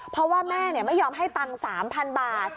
เพราะว่าแม่ไม่ยอมให้ตังค์๓๐๐๐บาท